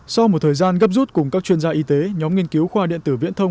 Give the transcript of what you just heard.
sau một thời gian gấp rút cùng các chuyên gia y tế nhóm nghiên cứu khoa điện tử viễn thông